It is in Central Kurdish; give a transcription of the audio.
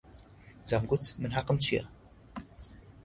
دەمگوت: من حەقم چییە؟